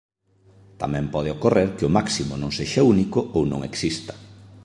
Tamén pode ocorrer que o máximo non sexa único ou non exista.